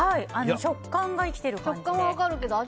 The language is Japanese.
食感が生きてる感じで。